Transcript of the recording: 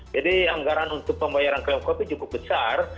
jadi anggaran untuk pembayaran krim kopi cukup besar